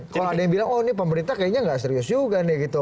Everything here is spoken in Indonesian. kalau ada yang bilang oh ini pemerintah kayaknya nggak serius juga nih gitu